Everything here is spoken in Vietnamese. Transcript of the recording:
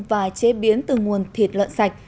và chế biến từ nguồn thịt lợn sạch